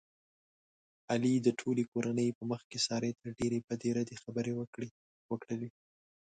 علي د ټولې کورنۍ په مخ کې سارې ته ډېرې بدې ردې خبرې وکړلې.